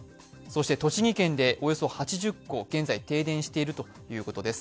そして栃木県でおよそ８０戸、現在停電しているということです。